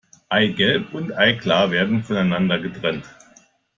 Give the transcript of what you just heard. Eigelb und Eiklar werden voneinander getrennt.